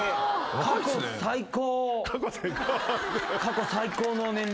過去最高？